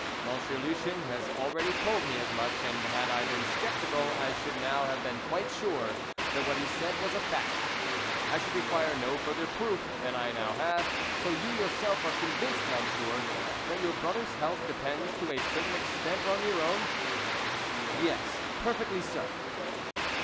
"Monsieur Lucien has already told me as much, and had I been sceptical I should now have been quite sure that what he said was a fact. I should require no further proof than I now have. So you, yourself, are convinced, monsieur, that your brother's health depends to a certain extent on your own." "Yes, perfectly so."